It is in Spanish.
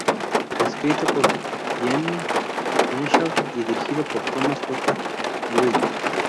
Escrito por Jeannine Renshaw y dirigido por Thomas J. Wright.